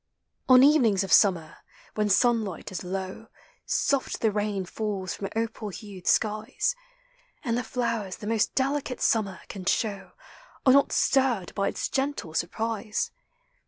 On evenings of summer, when sunlight is low. Soft the rain falls from opal hued skies: And the flowers the most delicate summer can show Are not stirred by its gentle surprise.